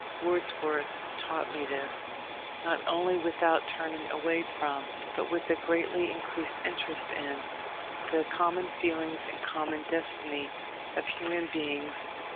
Wordsworth taught me this, not only without turning away from, but with a greatly increased interest in, the common feelings and common destiny of human beings.